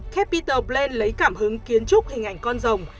capitol plain lấy cảm hứng kiến trúc hình ảnh con rồng